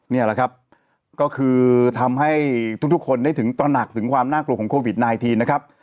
นี่แหละครับก็คือทำให้ทุกคนได้ถึงตระหนักถึงความน่ากลัวของโควิด๑๙นะครับ